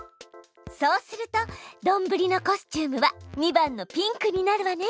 そうするとどんぶりのコスチュームは２番のピンクになるわね。